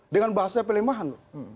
dengan bahasa pelemahan